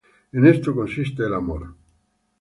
En esto consiste el amor: